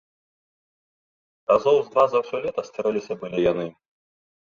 Разоў з два за ўсё лета стрэліся былі яны.